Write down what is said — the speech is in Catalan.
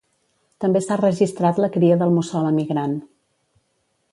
També s'ha registrat la cria del mussol emigrant.